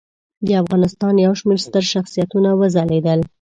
د افغانستان یو شمېر ستر شخصیتونه وځلیدل.